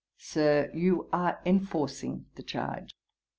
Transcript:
'Sir, you are enforcing the charge.